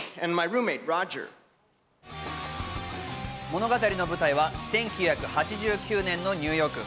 物語の舞台は１９８９年のニューヨーク。